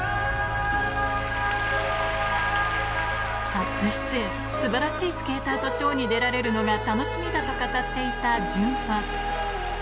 初出演素晴らしいスケーターとショーに出られるのが楽しみだと語っていたジュンファン